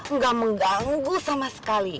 enggak mengganggu sama sekali